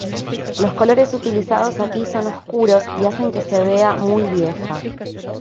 Los colores utilizados aquí son oscuros y hacen que se vea muy vieja.